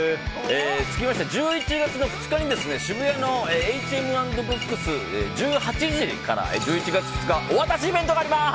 つきましては１１月の２日に渋谷で１８時から１１月２日お渡しイベントがあります！